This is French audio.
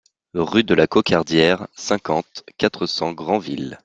Rue de la Cocardière, cinquante, quatre cents Granville